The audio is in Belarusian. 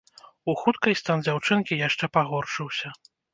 У хуткай стан дзяўчынкі яшчэ пагоршыўся.